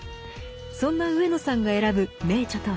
そんな上野さんが選ぶ名著とは。